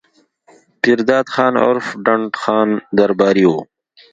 پير داد خان عرف ډنډ خان درباري وو